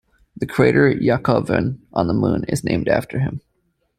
The crater Yakovkin on the Moon is named after him.